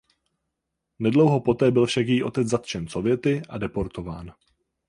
Nedlouho poté byl však její otec zatčen Sověty a deportován.